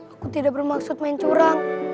aku tidak bermaksud main curang